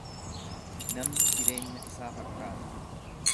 Namni jireenya isaa fakkaata.